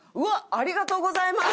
ありがとうございます！